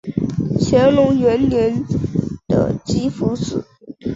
乾隆元年的集福祠。